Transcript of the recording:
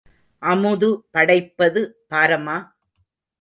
அமுது படைப்பது பாரமா?